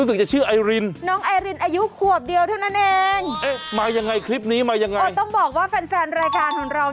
คุณชนะและชิสาในรายการ